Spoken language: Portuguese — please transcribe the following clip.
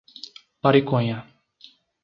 Pariconha